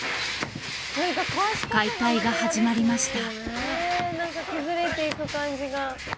解体が始まりました。